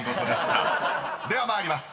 ［では参ります。